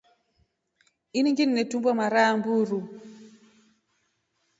Ini ninginetumba mara amburu.